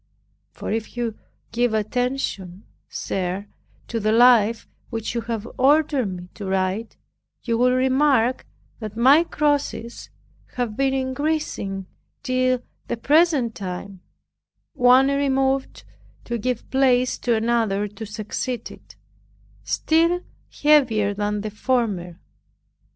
For if you give attention, sir, to the life which you have ordered me to write, you will remark that my crosses have been increasing till the present time, one removed to give place to another to succeed it, still heavier than the former.